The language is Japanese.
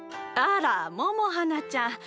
あら百はなちゃん。